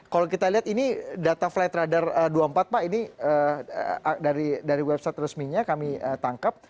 kalau kita lihat ini data flight radar dua puluh empat pak ini dari website resminya kami tangkap